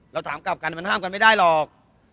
เราถามกลับกันมันห้ามกันไม่ได้หรอก